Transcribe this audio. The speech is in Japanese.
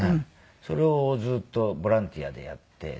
それをずっとボランティアでやってた。